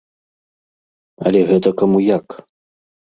Але гэта каму як.